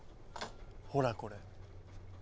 ほらこれ。